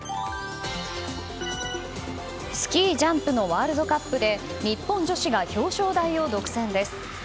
スキージャンプのワールドカップで日本女子が表彰台を独占です。